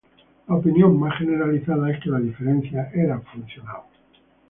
La opinión más generalizada es que la diferencia era funcional.